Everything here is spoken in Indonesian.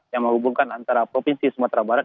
yang menghubungkan antara provinsi sumatera barat